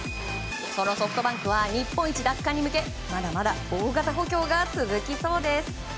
そのソフトバンクは日本一奪還に向けまだまだ大型補強が続きそうです。